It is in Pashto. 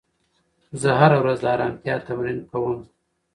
زه هره ورځ د ارامتیا تمرین کوم.